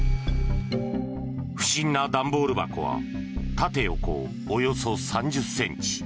不審な段ボール箱は縦横およそ３０ｃｍ。